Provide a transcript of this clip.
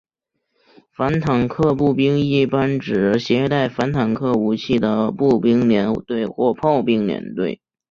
反坦克步兵一般指携带反坦克武器的步兵连队或炮兵连队。